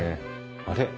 あれ？